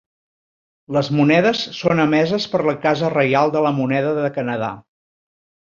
Les monedes són emeses per la Casa Reial de la Moneda de Canadà.